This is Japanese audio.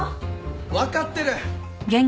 分かってる！